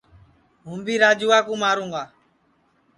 ہوں بھی راجوا کُو ماروں گا